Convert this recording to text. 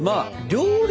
料理。